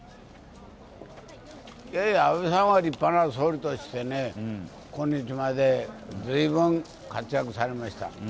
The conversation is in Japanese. いやいや、安倍さんは立派な総理として今日まで随分活躍されました。